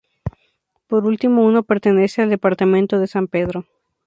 Por último, uno pertenece al departamento de San Pedro.